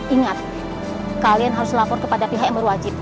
ingat kalian harus lapor kepada pihak yang berwajib